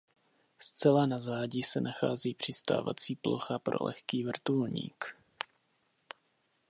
Zcela na zádi se nachází přistávací plocha pro lehký vrtulník.